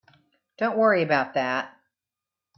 Don't worry about that.